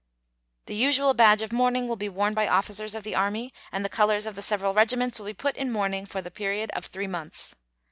The usual badge of mourning will be worn by officers of the Army and the colors of the several regiments will be put in mourning for the period of three months.